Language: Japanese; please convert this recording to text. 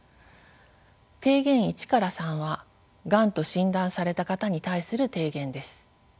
提言１から３はがんと診断された方に対する提言です。